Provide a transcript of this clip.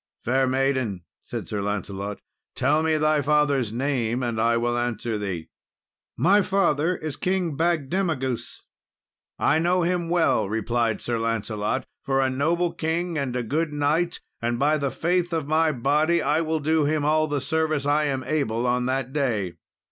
"Fair maiden," said Sir Lancelot, "tell me thy father's name and I will answer thee." "My father is King Bagdemagus," said she. "I know him well," replied Sir Lancelot, "for a noble king and a good knight; and by the faith of my body I will do him all the service I am able on that day."